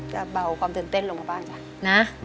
เบาความตื่นเต้นลงมาบ้างจ้ะนะ